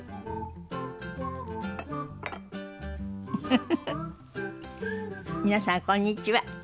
フフフフ皆さんこんにちは。